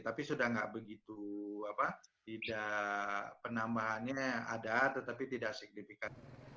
tapi sudah tidak begitu penambahannya ada tetapi tidak signifikan